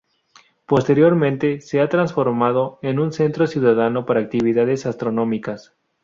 Posteriormente, se ha transformado en un centro ciudadano para actividades astronómicas.